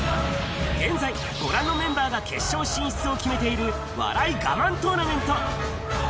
現在、ご覧のメンバーが決勝進出を決めている、笑い我慢トーナメント。